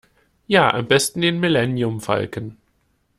Ja, am besten den Milleniumfalken.